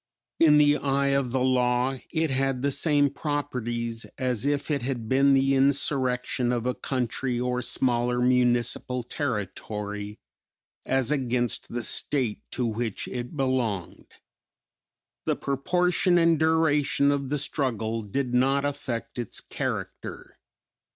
In the eye of the law it had the same properties as if it had been the insurrection of a country or smaller municipal territory as against the State to which it belonged. The proportion and duration of the struggle did not affect its character.